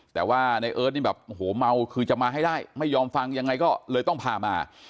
แต่ว่าในเอิร์ทนี่แบบโอ้โหเมาคือจะมาให้ได้ไม่ยอมฟังยังไงก็เลยต้องพามา